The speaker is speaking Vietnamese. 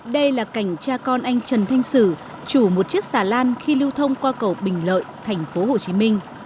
đây là cảnh cha con anh trần thanh sử chủ một chiếc xà lan khi lưu thông qua cầu bình lợi tp hcm